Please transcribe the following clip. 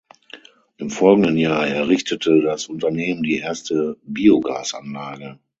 Im folgenden Jahr errichtete das Unternehmen die erste Biogasanlage.